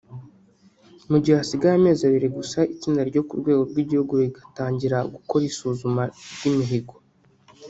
mu gihe hasigaye amezi abiri gusa itsinda ryo ku rwego rw’igihugu rigatangira gukora isuzuma ry’imihigo